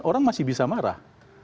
orang masih bisa marah